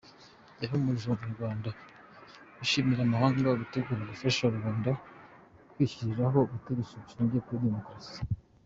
Yahumurije abanyarwanda ishimira amahanga yiteguye gufasha rubanda kwishyiriraho ubutegetsi bushingiye kuri “democracy”.